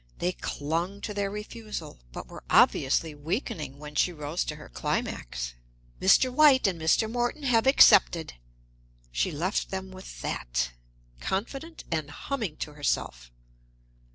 They clung to their refusal, but were obviously weakening when she rose to her climax: "Mr. White and Mr. Morton have accepted!" She left them with that, confident and humming to herself.